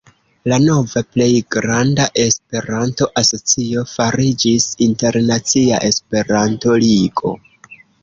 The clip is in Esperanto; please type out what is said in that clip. La nova plej granda Esperanto-asocio fariĝis Internacia Esperanto-Ligo.